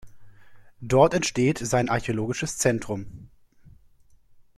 Dort entsteht sein Archäologisches Zentrum.